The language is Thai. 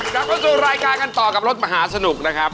ยังควรสูญรายการกันต่อกับรถมหาสนุกนะครับ